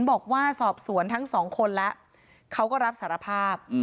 บอกว่าสอบสวนทั้งสองคนแล้วเขาก็รับสารภาพ